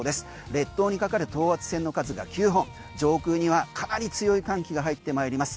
列島にかかる等圧線の数が９本上空にはかなり強い寒気が入ってまいります。